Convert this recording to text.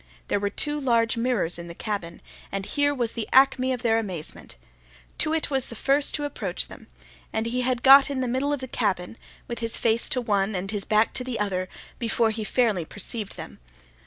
There were two large mirrors in the cabin, and here was the acme of their amazement. Too wit was the first to approach them, and he had got in the middle of the cabin, with his face to one and his back to the other, before he fairly perceived them.